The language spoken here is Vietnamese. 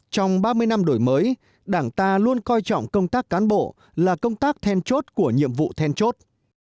trong ba mươi năm đổi mới đảng ta luôn coi trọng công tác cán bộ là công tác then chốt của nhiệm vụ then chốt